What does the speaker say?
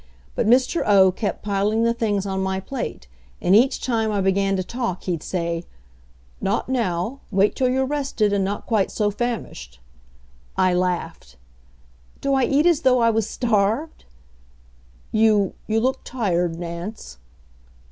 But Mr. O. kept piling the things on my plate, and each time I began to talk he'd say: "Not now wait till you're rested, and not quite so famished." I laughed. "Do I eat as though I was starved?" "You you look tired, Nance."